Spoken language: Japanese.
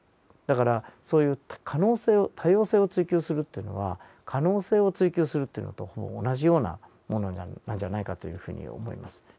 だからそういう可能性を多様性を追求するというのは可能性を追求するというのとほぼ同じようなものなんじゃないかというふうに思います。